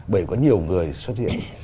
bởi vì có nhiều người xuất hiện